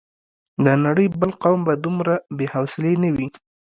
د نړۍ بل قوم به دومره بې حوصلې نه وي.